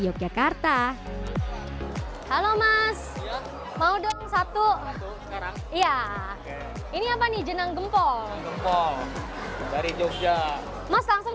yogyakarta halo mas mau dong satu sekarang iya ini apa nih jenang gempol gempol dari jogja mas langsung